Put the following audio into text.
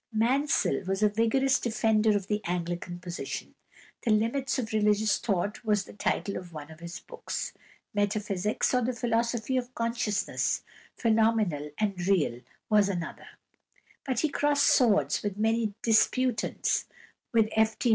Mansel was a vigorous defender of the Anglican position. "The Limits of Religious Thought" was the title of one of his books; "Metaphysics, or the Philosophy of Consciousness, Phenomenal and Real" was another, but he crossed swords with many disputants, with F. D.